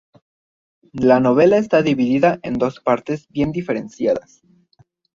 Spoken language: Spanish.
La novela está dividida en dos partes bien diferenciadas.